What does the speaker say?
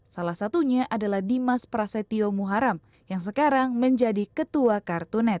salah satunya adalah dimas prasetyo muharam yang sekarang menjadi ketua kartunet